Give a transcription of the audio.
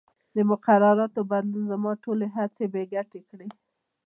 د مقرراتو بدلون زما ټولې هڅې بې ګټې کړې.